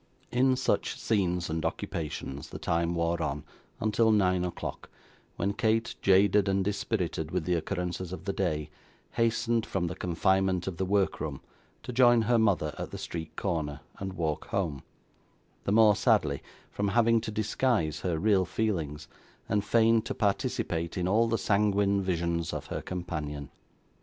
In such scenes and occupations the time wore on until nine o'clock, when Kate, jaded and dispirited with the occurrences of the day, hastened from the confinement of the workroom, to join her mother at the street corner, and walk home: the more sadly, from having to disguise her real feelings, and feign to participate in all the sanguine visions of her companion.